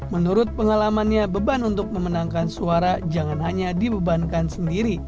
menurut pengalamannya beban untuk memenangkan suara jangan hanya dibebankan sendiri